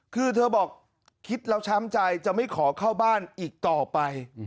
คือเธอบอกคิดแล้วช้ำใจจะไม่ขอเข้าบ้านอีกต่อไป